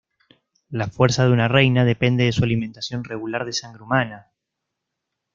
La fuerza de una reina depende de su alimentación regular de sangre humana.